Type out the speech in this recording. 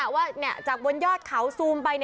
ว่าจากบนยอดเขาซูมไป